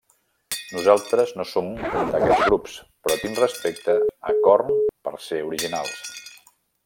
Nosaltres no som un d'aquests grups, però tinc respecte a Korn per ser originals.